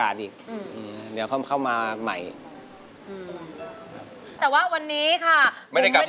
สวัสดีครับ